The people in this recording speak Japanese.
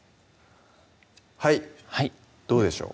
はいどうでしょう？